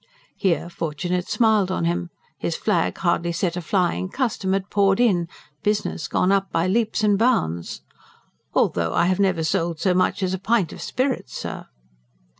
Here, fortune had smiled on him; his flag hardly set a flying custom had poured in, business gone up by leaps and bounds "Although I have never sold so much as a pint of spirits, sir!"